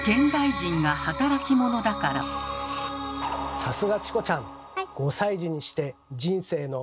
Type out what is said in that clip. さすがチコちゃん。